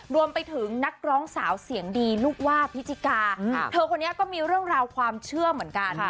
รวมไปถึงนักร้องสาวเสียงดีลูกว่าพิจิกาเธอคนนี้ก็มีเรื่องราวความเชื่อเหมือนกัน